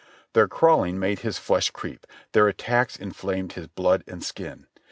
Their crawling made his flesh creep ; their attacks in flamed his blood and skin.